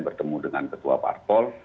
bertemu dengan ketua parpol